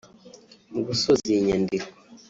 Mu gusoza iyi nyandiko